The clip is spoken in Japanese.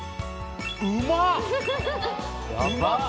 うまっ！